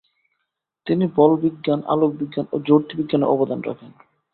তিনি বলবিজ্ঞান, আলোকবিজ্ঞান ও জ্যোতির্বিজ্ঞানেও অবদান রাখেন।